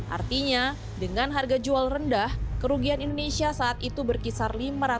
artinya dengan harga jual rendah kerugian indonesia saat itu berkisar lima ratus